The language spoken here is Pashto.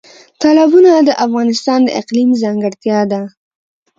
تالابونه د افغانستان د اقلیم ځانګړتیا ده.